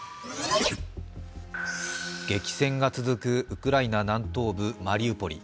激戦が続くウクライナ南東部マリウポリ。